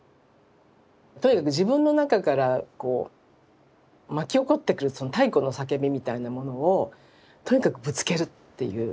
とにかく自分の中から巻き起こってくるその太古の叫びみたいなものをとにかくぶつけるっていう。